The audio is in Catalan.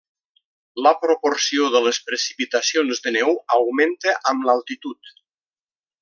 La proporció de les precipitacions de neu augmenta amb l'altitud.